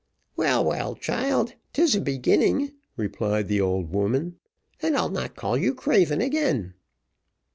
"Well, well, child, 'tis a beginning," replied the old woman, "and I'll not call you craven again."